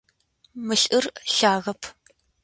Мы лӏыр лъагэп.